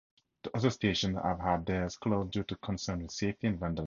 The other stations have had theirs closed due to concerns with safety and vandalism.